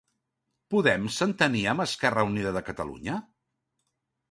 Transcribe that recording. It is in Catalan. Podem s'entenia amb Esquerra Unida de Catalunya?